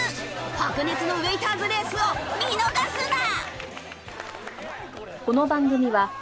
白熱のウエイターズレースを見逃すな！